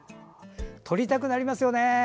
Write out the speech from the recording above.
撮りたくなりますよね。